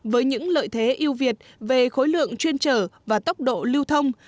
với những lợi thế yêu việt về khối lượng chuyên trở và tốc độ lưu thông